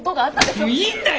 もういいんだよ